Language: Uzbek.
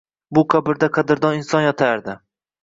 Bu qabrda qadrdon inson yotardi.